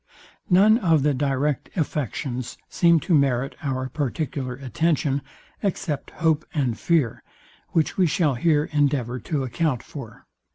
None of the direct affections seem to merit our particular attention, except hope and fear, which we shall here endeavour to account for.